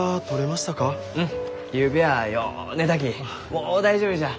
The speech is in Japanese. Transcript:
もう大丈夫じゃ。